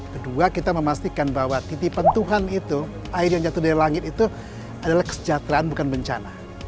kedua kita memastikan bahwa titipan tuhan itu air yang jatuh dari langit itu adalah kesejahteraan bukan bencana